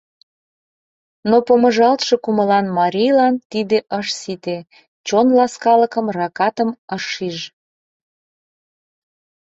Но помыжалтше кумылан марийлан тиде ыш сите: чон ласкалыкым, ракатым ыш шиж.